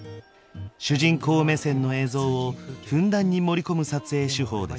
主人公目線の映像をふんだんに盛り込む撮影手法です。